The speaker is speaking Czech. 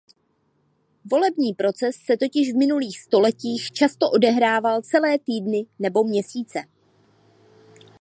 Volební proces se totiž v minulých stoletích často odehrával celé týdny nebo měsíce.